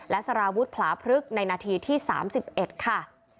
และสารวุฒิผลาพลึกในนาทีที่๓๑ค่ะ